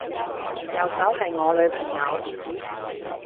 右手係我女朋友